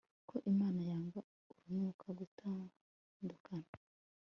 ko imana yanga urunuka gutandukana